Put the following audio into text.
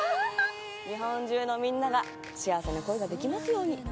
日本中のみんなが幸せな恋ができますように。